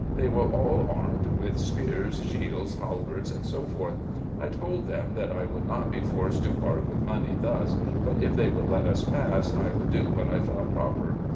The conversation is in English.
They were all armed with spears, shields, halberts, &c. I told them that I would not be forced to part with money thus ; but if they would let us pass, I would do what I thought proper.